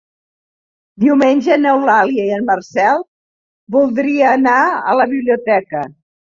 Diumenge n'Eulàlia i en Marcel voldria anar a la biblioteca.